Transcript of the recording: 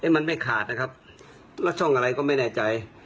มันไม่ขาดนะครับแล้วช่องอะไรก็ไม่แน่ใจ